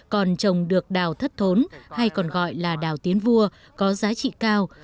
còn trồng được đào thất thốn hay còn gọi là đào tiến vua có giá trị cao